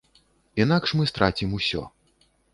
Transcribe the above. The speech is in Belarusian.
Інакш мы страцім усё.